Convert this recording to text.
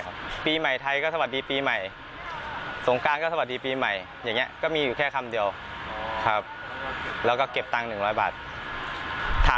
แล้วคนที่โพสต์คลิปเขาบอกว่า